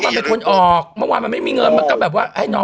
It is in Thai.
มันเป็นคนออกเมื่อวานมันไม่มีเงินมันก็แบบว่าให้น้อง